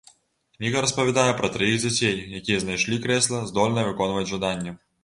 Кніга распавядае пра траіх дзяцей, якія знайшлі крэсла, здольнае выконваць жаданні.